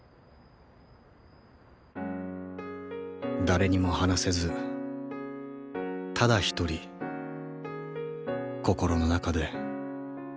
誰にも話せずただ一人心の中で。